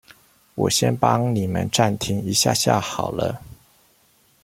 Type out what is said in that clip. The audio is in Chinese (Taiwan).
我先幫你們暫停一下下好了